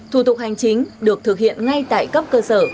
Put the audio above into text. thủ tục hành chính được thực hiện ngay tại cấp cơ sở